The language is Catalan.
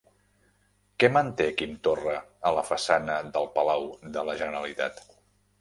Què manté Quim Torra a la façana del Palau de la Generalitat?